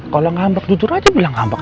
kalau ngambek jujur aja bilang ambek